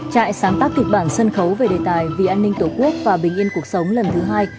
trại sáng tác kịch bản sân khấu về đề tài vì an ninh tổ quốc và bình yên cuộc sống lần thứ hai